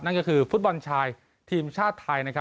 นั่นก็คือฟุตบอลชายทีมชาติไทยนะครับ